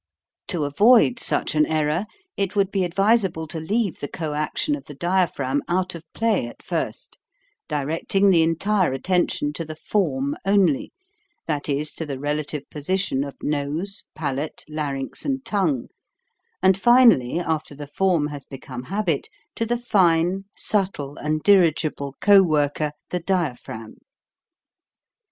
To avoid such an error it would be advisable to leave the coaction of the diaphragm out of play at first, directing the entire attention to the form only that is, to the relative position of nose, palate, larynx, and tongue, and finally PRONUNCIATION. CONSONANTS 281 after the form has become habit, to the fine, subtle, and dirigible coworker, the diaphragm.